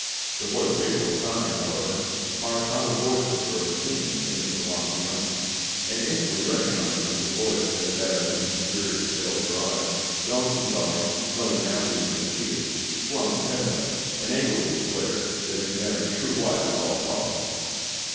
Before the paper was signed, however, Maritana's voice was heard singing in the salon beyond; and instantly recognising the voice as that of his mysterious veiled bride, Don Cæsar, knowing now that he had been cheated, flung the pen away, and angrily declared that he would have his true wife at all costs.